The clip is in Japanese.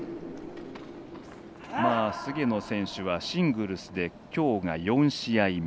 菅野選手はシングルスできょうが４試合目。